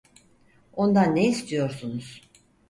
Ondan ne istiyorsunuz?